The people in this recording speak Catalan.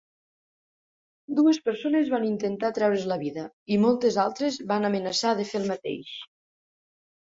Dues persones van intentar treure's la vida i moltes altres van amenaçar de fer el mateix.